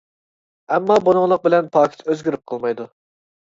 ئەمما بۇنىڭلىق بىلەن پاكىت ئۆزگىرىپ قالمايدۇ.